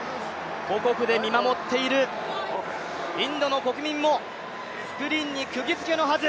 母国で見守っているインドの国民もスクリーンにくぎづけのはず。